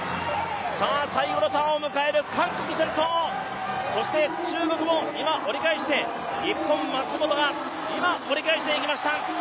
最後のターンを迎える、韓国先頭、そして中国も今折り返して、日本・松元も今折り返していきました。